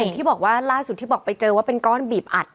ที่บอกว่าล่าสุดที่บอกไปเจอว่าเป็นก้อนบีบอัด